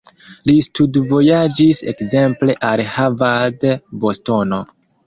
Li studvojaĝis ekzemple al Harvard, Bostono.